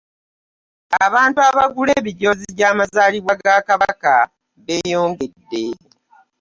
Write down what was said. Abantu abagula enijoozi gy'amazalibwa ga kabaka beyongede.